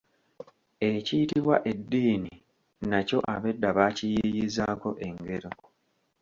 Ekiyitibwa eddiini nakyo ab’edda baakiyiiyiizaako engero.